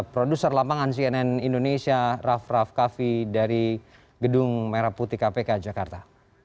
produser lapangan cnn indonesia raff raff kaffi dari gedung merah putih kpk jakarta